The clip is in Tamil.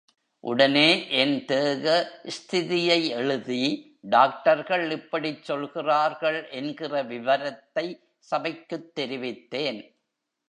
உடனே என் தேகஸ்திதியை எழுதி டாக்டர்கள் இப்படிச் சொல்கிறார்கள் என்கிற விவரத்தை சபைக்குத் தெரிவித்தேன்.